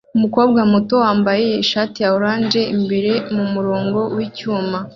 Umukobwa muto wambaye ishati ya orange imbere mumurongo wicyuma